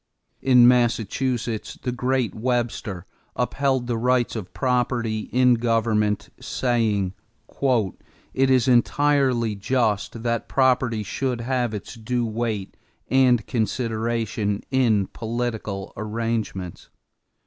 In Massachusetts, the great Webster upheld the rights of property in government, saying: "It is entirely just that property should have its due weight and consideration in political arrangements....